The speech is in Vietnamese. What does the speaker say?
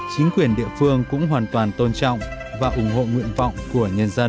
chính quyền địa phương cũng hoàn toàn tôn trọng và ủng hộ nguyện vọng của nhân dân